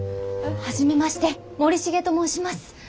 初めまして森重と申します。